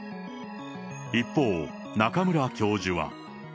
一方、中村教授は。